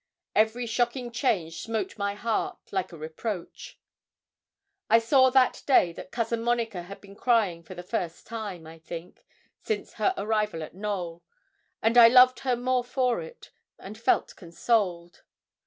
Every shocking change smote my heart like a reproach. I saw that day that Cousin Monica had been crying for the first time, I think, since her arrival at Knowl; and I loved her more for it, and felt consoled.